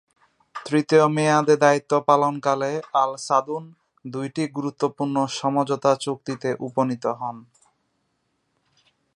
তৃতীয় মেয়াদে দায়িত্ব পালনকালে আল-সাদুন দুইটি গুরুত্বপূর্ণ সমঝোতা চুক্তিতে উপনীত হন।